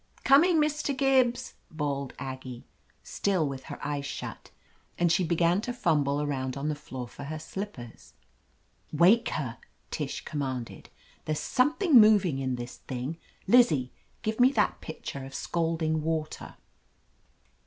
"Q)ming, Mr. Gibbs/' bawled Aggie, still with her eyes shut, and she began to fumble around on the floor for her slippers. "Wake her!" Tish commanded. "There's something moving in this thing. Lizzie, give me that pitcher of scalding water."